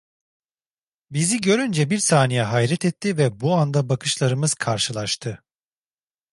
Bizi görünce bir saniye hayret etti ve bu anda bakışlarımız karşılaştı.